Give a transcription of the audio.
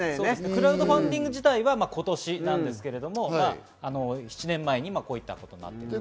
クラウドファンディング自体は今年なんですけれども、７年前にこういったことがありました。